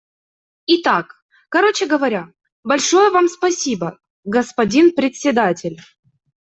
Итак, короче говоря, большое Вам спасибо, господин Председатель.